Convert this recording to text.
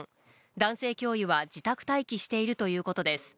男性教諭は自宅待機しているということです。